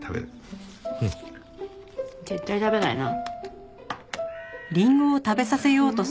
絶対食べないな。